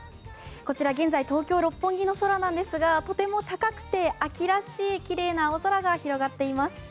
こちら現在東京・六本木の空なんですがとても高くて秋らしいきれいな青空が広がっています。